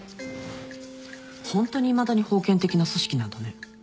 ホントにいまだに封建的な組織なんだね。